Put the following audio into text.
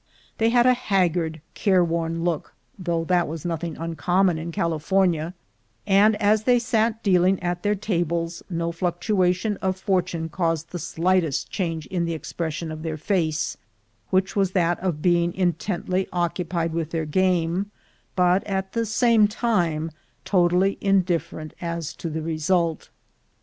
They had a haggard, careworn look (though that was nothing uncommon in California), and as they sat dealing at their tables, no fluctuation of fortune caused the slightest change in the expres sion of their face, which was that of being intently occupied with their game, but at the same time totally indifferent as to the result.